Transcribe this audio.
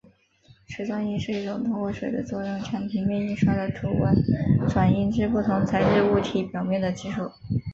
水转印是一种通过水的作用将平面印刷的图文转印至不同材质物体表面的技术。